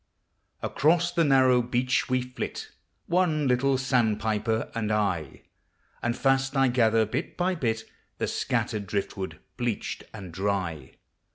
Across the narrow beach we flit, One little sandpiper and I; And fast I gather, bit by bit, The scattered driftwood bleached and dry.